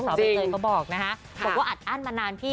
สาวเป็นใจเขาบอกนะครับบอกว่าอัดอ้านมานานพี่